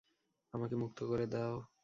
আমাকে মুক্ত করে দাও!